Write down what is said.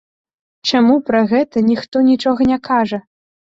Чаму пра гэта ніхто нічога не кажа?